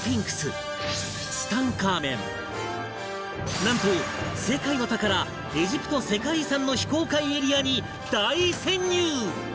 なんと世界の宝エジプト世界遺産の非公開エリアに大潜入！